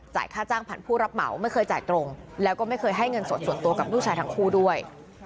ค่าจ้างผ่านผู้รับเหมาไม่เคยจ่ายตรงแล้วก็ไม่เคยให้เงินสดส่วนตัวกับลูกชายทั้งคู่ด้วย